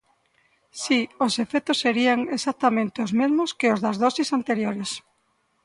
Si, os efectos serían exactamente os mesmos que os das doses anteriores.